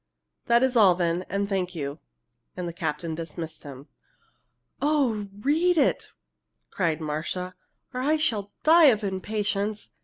"That is all, then, and thank you!" And the captain dismissed him. "Oh, read it," cried Marcia, "or I shall die of impatience!"